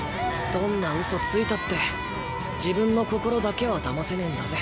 どんなうそついたって自分の心だけはだませねぇんだぜ。